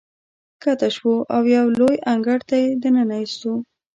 ښکته شوو او یو لوی انګړ ته یې ننه ایستو.